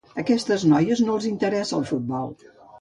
A aquestes noies, no els interessa el futbol.